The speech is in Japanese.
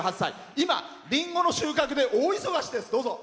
今、リンゴの収穫で大忙しです。